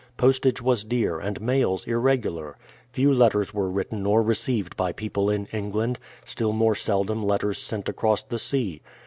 Postage was dear and mails irregular. Few letters were written or received by people in England, still more seldom letters sent across the sea.